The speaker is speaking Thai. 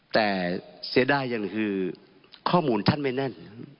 แต่เสียดายยังคือข้อมูลท่านไม่แน่น